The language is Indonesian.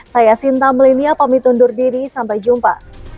saya sinta melinia pamit undur diri sampai jumpa